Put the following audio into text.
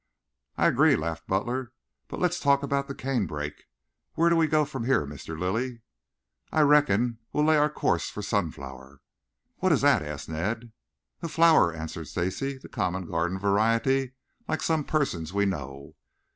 "I agree," laughed Butler. "But let's talk about the canebrake. Where do we go from here, Mr. Lilly?" "I reckon we will lay our course for Sunflower." "What is that?" asked Ned. "A flower," answered Stacy. "The common garden variety, like some persons we know."